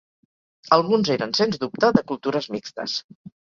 Alguns eren, sens dubte, de cultures mixtes.